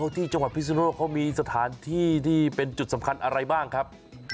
ที่จังหวัดพิศนุโลกเขามีสถานที่ที่เป็นจุดสำคัญอะไรบ้างครับ